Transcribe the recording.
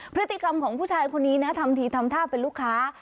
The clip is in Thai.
พฤติกรรมของผู้ชายคนนี้นะทำทีทำท่าเป็นลูกค้า